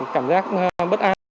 cảm giác bất an